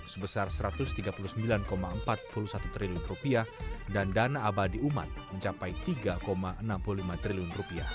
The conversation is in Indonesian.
sebesar rp satu ratus tiga puluh sembilan empat puluh satu triliun dan dana abadi umat mencapai rp tiga enam puluh lima triliun